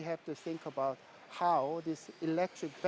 bagaimana baterai elektrik ini